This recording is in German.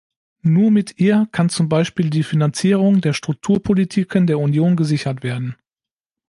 Nur mit ihr kann zum Beispiel die Finanzierung der Strukturpolitiken der Union gesichert werden.